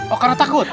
oh karena takut